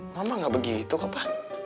mama gak begitu kapa